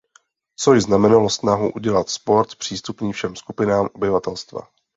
Což znamenalo snahu udělat sport přístupný všem skupinám obyvatelstva.